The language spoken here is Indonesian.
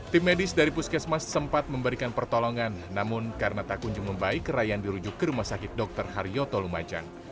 tim medis dari puskesmas sempat memberikan pertolongan namun karena tak kunjung membaik rayan dirujuk ke rumah sakit dr haryoto lumajang